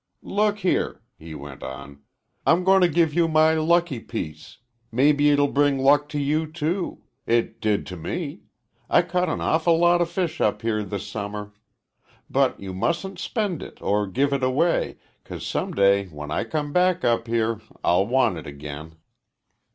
"Look here," he went on, "I'm going to give you my lucky piece. Maybe it'll bring luck to you, too. It did to me I caught an awful lot of fish up here this summer. But you mustn't spend it or give it away, 'cause some day when I come back up here I'll want it again.